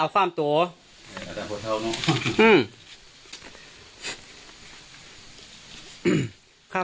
ข้าพเจ้านางสาวสุภัณฑ์หลาโภ